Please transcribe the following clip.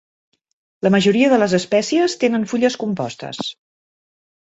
La majoria de les espècies tenen fulles compostes.